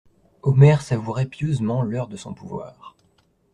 Omer savourait pieusement l'heure de son pouvoir.